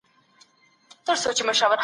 د تېر وخت پر ترخو یادونو.